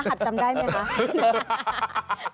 รหัสจำได้ไหมคะ